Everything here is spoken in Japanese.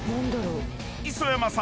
［磯山さん